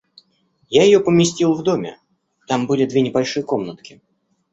Я ее поместил в доме... там были две небольшие комнатки.